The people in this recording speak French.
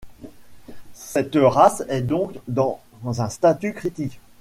Cette race est donc dans un statut critique.